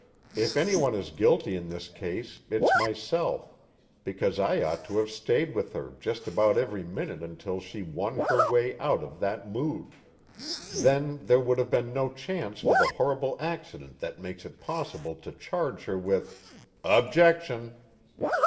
If anyone is guilty in this case it's myself, because I ought to have stayed with her just about every minute until she won her way out of that mood. Then there would have been no chance for the horrible accident that makes it possible to charge her with " "Objection!"